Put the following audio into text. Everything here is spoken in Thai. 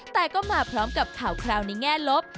แต่ก็มาพร้อมกับข่าวคราวในแง่ลบ